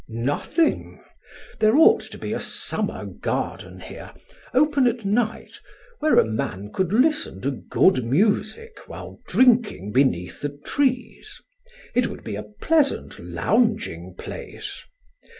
Nothing! There ought to be a summer garden here, open at night, where a man could listen to good music while drinking beneath the trees. It would be a pleasant lounging place.